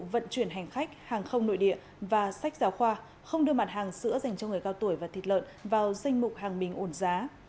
vận chuyển hành khách hàng không nội địa và sách giáo khoa không đưa mặt hàng sữa dành cho người cao tuổi và thịt lợn vào danh mục hàng bình ổn giá